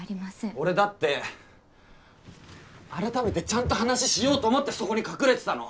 俺だってあらためてちゃんと話しようと思ってそこに隠れてたの！